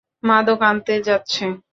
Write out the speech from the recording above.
মাদক আনতে যাচ্ছে।